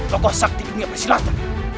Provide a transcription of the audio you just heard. tokoh sakti dunia persilatan